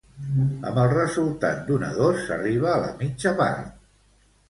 Amb el resultat d'un a dos s'arriba a la mitja part.